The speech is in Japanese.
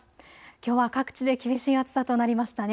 きょうは各地で厳しい暑さとなりましたね。